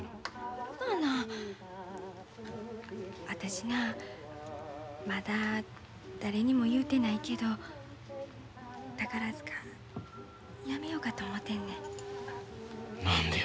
私なまだ誰にも言うてないけど宝塚やめようかと思てんねん。